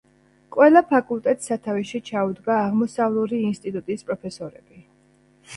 ყველა ფაკულტეტს სათავეში ჩაუდგა აღმოსავლური ინსტიტუტის პროფესორები.